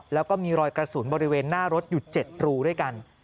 แล้วก็มีรอยกระสุนบริเวณหน้ารถอยู่๗รูด้วยกัน